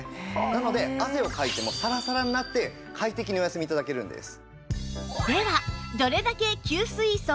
なので汗をかいてもサラサラになって快適にお休み頂けるんです。